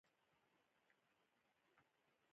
تر باران لاندې ناستې وې او ځینې یې بیا.